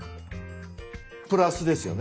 プラスですよね？